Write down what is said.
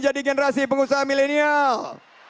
jadi generasi pengusaha milenial